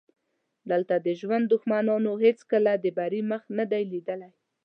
دلته د ژوند دښمنانو هېڅکله د بري مخ نه دی لیدلی.